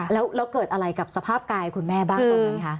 แล้วเกิดอะไรกับสภาพกายคุณแม่บ้างตอนนั้นคะ